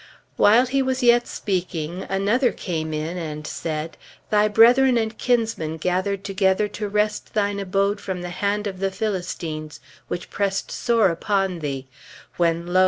"While he was yet speaking, another came in and said, 'Thy brethren and kinsmen gathered together to wrest thine abode from the hand of the Philistines which pressed sore upon thee; when lo!